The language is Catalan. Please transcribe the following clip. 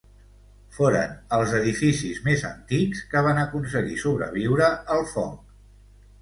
Foren els edificis més antics que van aconseguir sobreviure al foc.